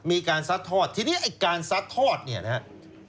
มีการซัดทอดทีนี้การซัดทอดเนี่ยนะครับ